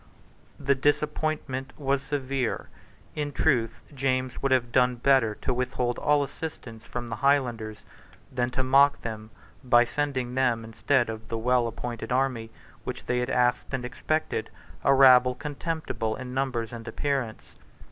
The disappointment was severe. In truth James would have done better to withhold all assistance from the Highlanders than to mock them by sending them, instead of the well appointed army which they had asked and expected, a rabble contemptible in numbers and appearance.